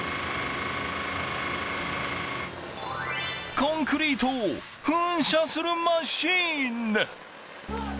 コンクリートを噴射するマシン。